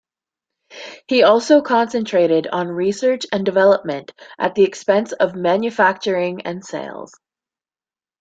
He also concentrated on research and development at the expense of manufacturing and sales.